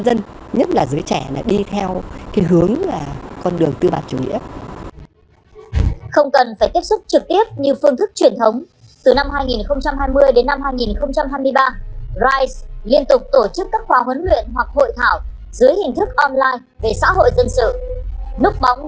gần nhất là mở văn phòng đại diện tại sinh vo